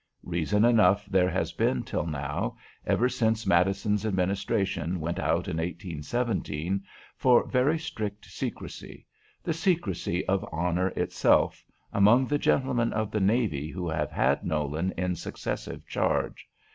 Reason enough there has been till now, ever since Madison's [Note 4] administration went out in 1817, for very strict secrecy, the secrecy of honor itself, among the gentlemen of the navy who have had Nolan in successive charge.